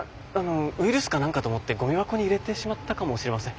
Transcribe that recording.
ウイルスか何かと思ってごみ箱に入れてしまったかもしれません。